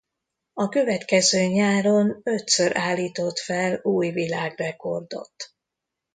A következő nyáron ötször állított fel új világrekordot.